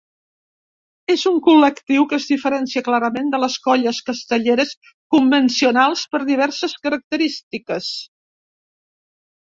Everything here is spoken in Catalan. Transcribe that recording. És un col·lectiu que es diferencia clarament de les colles castelleres convencionals per diverses característiques.